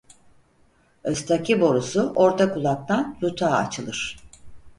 Östaki borusu orta kulaktan yutağa açılır.